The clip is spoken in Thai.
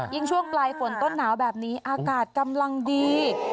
ช่วงปลายฝนต้นหนาวแบบนี้อากาศกำลังดี